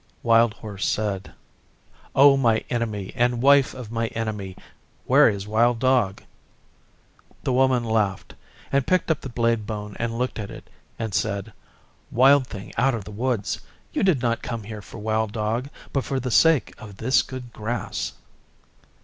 Wild Horse said, 'O my Enemy and Wife of my Enemy, where is Wild Dog?' The Woman laughed, and picked up the blade bone and looked at it, and said, 'Wild Thing out of the Wild Woods, you did not come here for Wild Dog, but for the sake of this good grass.